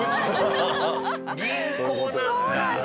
銀行なんだ。